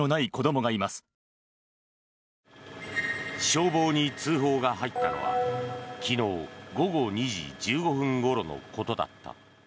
消防に通報が入ったのは昨日、午後２時１５分ごろのことだった。